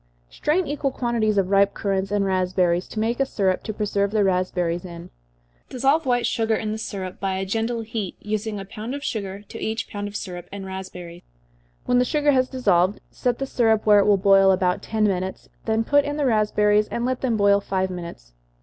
_ Strain equal quantities of ripe currants and raspberries, to make a syrup to preserve the raspberries in. Dissolve white sugar in the syrup, by a gentle heat, using a pound of sugar to each pound of syrup and raspberries. When the sugar has dissolved, set the syrup where it will boil about ten minutes, then put in the raspberries, and let them boil five minutes.